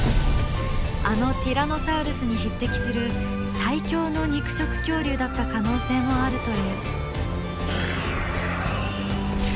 あのティラノサウルスに匹敵する最強の肉食恐竜だった可能性もあるという。